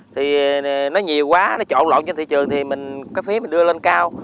thì nó nhiều quá nó trộn lộn trên thị trường thì mình cái phí mình đưa lên cao